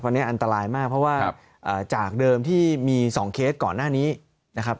อันนี้อันตรายมากเพราะว่าจากเดิมที่มี๒เคสก่อนหน้านี้นะครับ